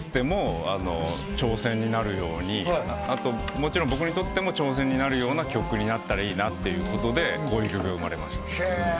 萌音ちゃんにとっても挑戦になるようにあと僕にとっても挑戦になるような曲になったらいいなということで、こういう曲が生まれました。